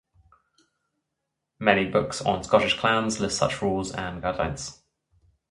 Many books on Scottish clans list such rules and guidelines.